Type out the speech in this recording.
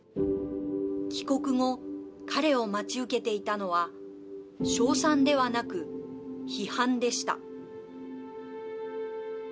帰国後、彼を待ち受けていたのは称賛ではなく、批判でした。